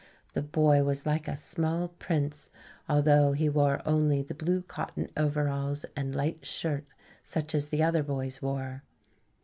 The boy was like a small prince, although he wore only the blue cotton overalls and light shirt such as the other boys wore.